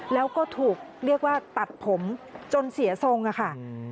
แล้วก็ถูกเรียกว่าตัดผมจนเสียทรงอะค่ะ